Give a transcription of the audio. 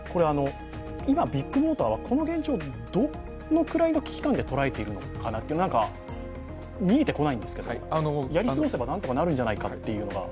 今ビッグモーターはこの現状をどのくらいの危機感でとらえているのか見えてこないんですがやり過ごせばなんとかなるんじゃないかというのが。